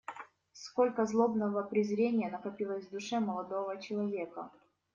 Cтолько злобного презрения накопилось в душе молодого человека.